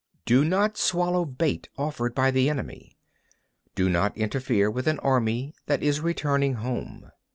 35. Do not swallow a bait offered by the enemy. Do not interfere with an army that is returning home.